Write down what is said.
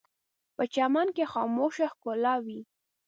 په چمن کې خاموشه ښکلا وي